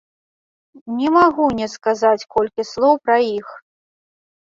Не магу не сказаць колькі слоў пра іх.